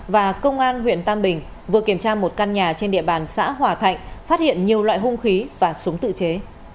và công an huyện tam bình vừa kiểm tra một căn nhà trên địa bàn xã hòa thạnh phát hiện nhiều loại hung khí và súng tự chế